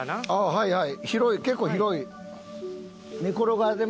はいはい。